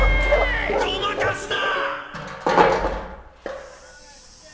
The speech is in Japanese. ごまかすな！